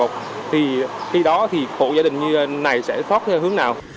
khi đó thì hộ gia đình như này sẽ thoát hướng nào